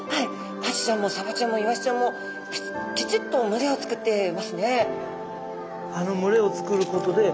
アジちゃんもサバちゃんもイワシちゃんもきちっと群れをつくってますね。